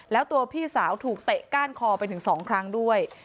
แล้วตัวพี่สาวถูกเตะก้านคอไปถึง๒ครั้งด้วย